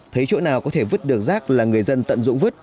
thấy chỗ nào có thể vứt được rác là người dân tận dụng vứt